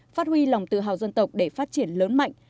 phát huy lòng tự hào dân tộc để phát triển lớn mạnh